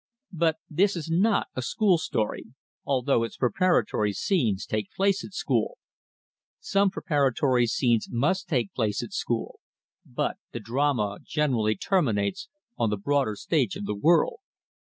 But this is not a school story, although its preparatory scenes take place at school. Some preparatory scenes must take place at school; but the drama generally terminates on the broader stage of the world.